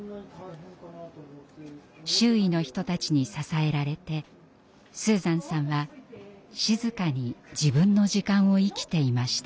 周囲の人たちに支えられてスーザンさんは静かに自分の時間を生きていました。